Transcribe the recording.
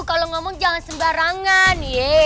kalau ngomong jangan sembarangan